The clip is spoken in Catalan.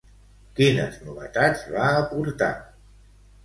Quines novetats va aportar?